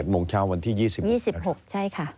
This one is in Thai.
โมงเช้าวันที่๒๒๖ใช่ค่ะ